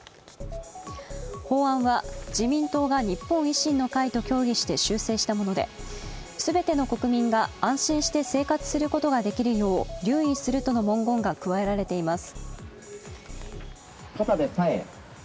法案は自民党が日本維新の会と協議して修正したもので「全ての国民が安心して生活することができるよう留意する」との文言が加えられています。